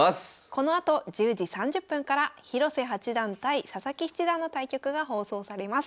このあと１０時３０分から広瀬八段対佐々木七段の対局が放送されます。